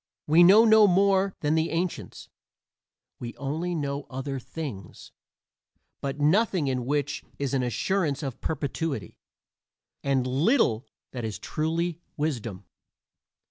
We know no more than the ancients; we only know other things, but nothing in which is an assurance of perpetuity, and little that is truly wisdom.